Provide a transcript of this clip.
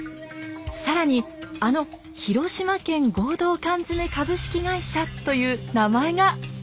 更にあの「廣島縣合同罐詰株式會」という名前が。